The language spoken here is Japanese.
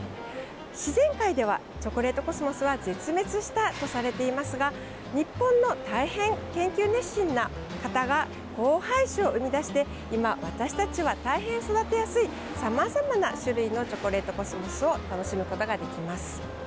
自然界ではチョコレートコスモスは絶滅したとされていますが日本の大変、研究熱心な方が交配種を生み出して今、私たちは大変育てやすいさまざまな種類のチョコレートコスモスを楽しむことができます。